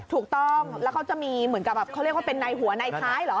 ถูกต้องแล้วก็เขาก็จะมีเค้าเรียกว่าในหัวในท้ายเหรอ